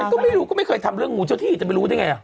ก็ไม่รู้ก็ไม่เคยทำเรื่องงูเจ้าที่จะไปรู้ได้ไง